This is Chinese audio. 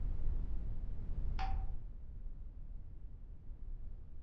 单斑豆娘鱼为雀鲷科豆娘鱼属的鱼类。